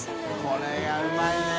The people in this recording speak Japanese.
これはうまいね。